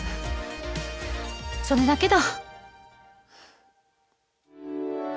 それだけだ。